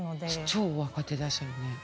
超若手ですよね。